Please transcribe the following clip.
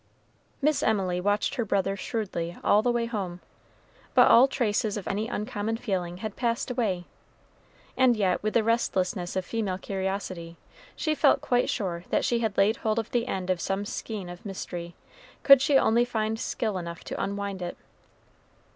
Miss Emily watched her brother shrewdly all the way home, but all traces of any uncommon feeling had passed away; and yet, with the restlessness of female curiosity, she felt quite sure that she had laid hold of the end of some skein of mystery, could she only find skill enough to unwind it.